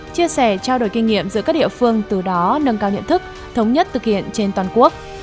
chia sẻ trao đổi kinh nghiệm giữa các địa phương từ đó nâng cao nhận thức thống nhất thực hiện trên toàn quốc